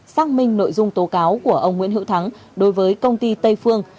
xác minh nội dung tố cáo của ông nguyễn hữu thắng đối với công ty tây phương